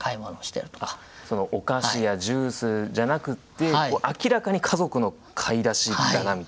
そのお菓子やジュースじゃなくって明らかに家族の買い出しだなみたいな。